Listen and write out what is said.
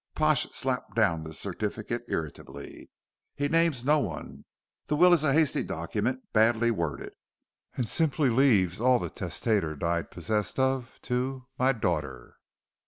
Pash slapped down the certificate irritably. "He names no one. The will is a hasty document badly worded, and simply leaves all the testator died possessed of to my daughter."